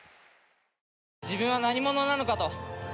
自分は何者なのか。